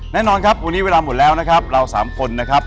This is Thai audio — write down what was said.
แน่นอนครับวันนี้เวลาหมดแล้วนะครับเราสามคนนะครับ